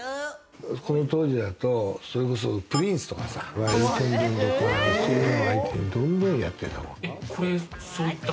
この当時だとプリンスとかさ、エルトン・ジョンとかそういうのを相手にどんどんやってたもん。